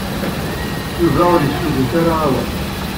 Yuba ur yessuggut ara awal.